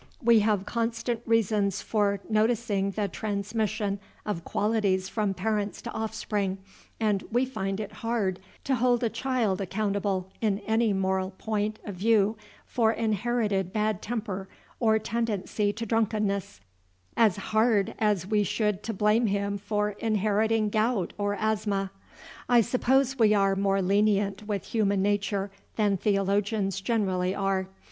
We have constant reasons for noticing the transmission of qualities from parents to offspring, and we find it hard to hold a child accountable in any moral point of view for inherited bad temper or tendency to drunkenness, as hard as we should to blame him for inheriting gout or asthma. I suppose we are more lenient with human nature than theologians generally are.